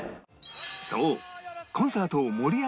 そう